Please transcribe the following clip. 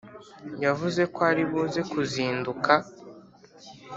yavuze ko ari buze kuzinduka